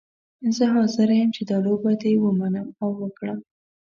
زه حاضره یم چې دا لوبه دې ومنم او وکړم.